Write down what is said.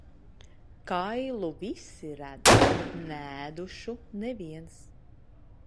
Kailu visi redz, neēdušu neviens.